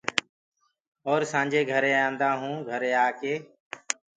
اور سآنجي گھري آنٚدآ هونٚ گھري آڪي